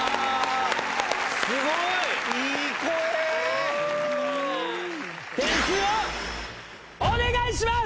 すごい！点数をお願いします！